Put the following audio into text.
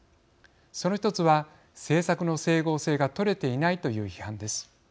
その１つは政策の整合性が取れていないという批判です。